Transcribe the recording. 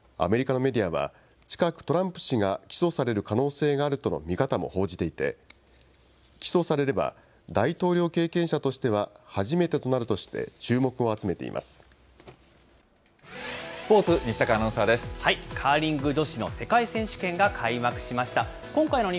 アメリカのメディアは、近く、トランプ氏が起訴される可能性があるとの見方も報じていて、起訴されれば、大統領経験者としては初めてとなるとして注目を集めてスポーツ、西阪アナウンサーカーリング女子の世界選手権が開幕しました。